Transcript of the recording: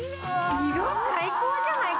最高じゃない？